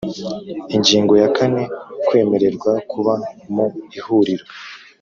Ingingo ya kane Kwemererwa kuba mu Ihuriro